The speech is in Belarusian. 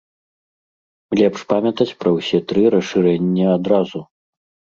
Лепш памятаць пра ўсе тры расшырэнні адразу.